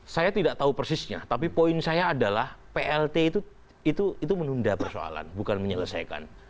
saya tidak tahu persisnya tapi poin saya adalah plt itu menunda persoalan bukan menyelesaikan